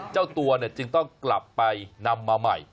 เจ้าตัวจึงต้องกลับไปนำมาใหม่